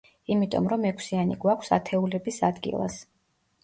იმიტომ რომ ექვსიანი გვაქვს ათეულების ადგილას.